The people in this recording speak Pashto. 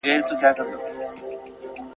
د یوویشتمي پېړۍ په درېیمه لسیزه کي .